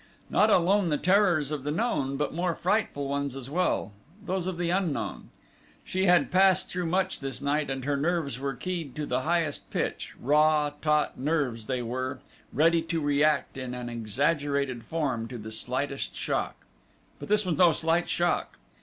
Not alone the terrors of the known but more frightful ones as well those of the unknown. She had passed through much this night and her nerves were keyed to the highest pitch raw, taut nerves, they were, ready to react in an exaggerated form to the slightest shock. But this was no slight shock.